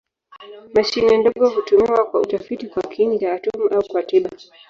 Mashine ndogo hutumiwa kwa utafiti kwa kiini cha atomi au kwa tiba.